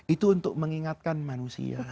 itu untuk mengingatkan manusia